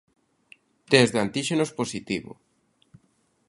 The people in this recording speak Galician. Test de antíxenos positivo.